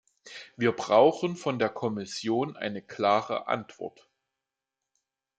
Wir brauchen von der Kommission eine klare Antwort.